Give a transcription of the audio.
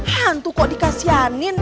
hantu kok dikasianin